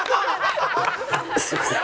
すいません。